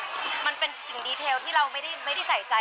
คือเราคิดว่ามันเป็นสิ่งดีเทลที่เราไม่ได้ใส่ใจ